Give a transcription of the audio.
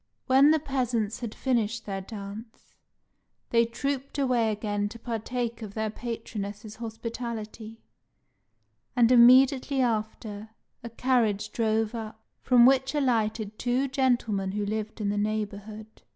When the peasants had finished their dance, they trooped away again to partake of their patroness's hospitality; and immediately after, a carriage drove up, from which alighted two gentlemen who lived in the neighbourhood.